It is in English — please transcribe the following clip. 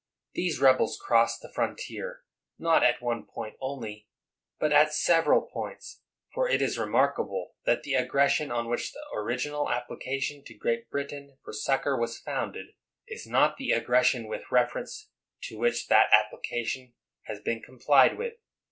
These rebels crossed the frontier, not at one point only, but at several points; for it is remarkable that the aggression, on which the original application to Great Brit ain for succor was founded, is not the aggression with reference to which that application has been complied with.